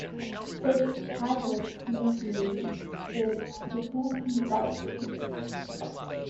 Its pilots nicknamed it the Vultee Vibrator.